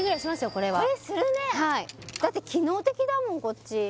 これはこれするねだって機能的だもんこっち